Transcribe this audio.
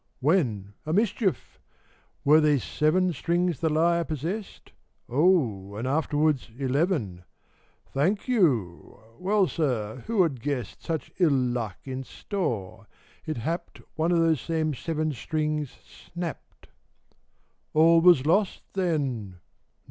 When, a mischief ! Were they seven Strings the lyre possessed ? Oh, and afterwards eleven, Thank you ! Well, sir, — who had guessed Such ill luck in store ?— it happed One of those same seven strings snapped. All was lost, then